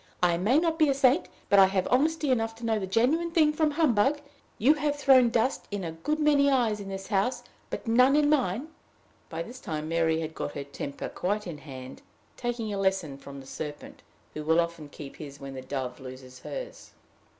I may not be a saint, but I have honesty enough to know the genuine thing from humbug. You have thrown dust in a good many eyes in this house, but none in mine." By this time Mary had got her temper quite in hand, taking a lesson from the serpent, who will often keep his when the dove loses hers.